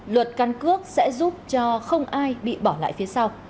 luật căn cước sẽ giúp cho không ai bị bỏ lại phía sau